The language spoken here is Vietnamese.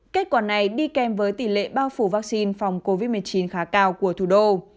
kết quả này đi kèm với tỷ lệ bao phủ vaccine phòng covid một mươi chín khá cao của thủ đô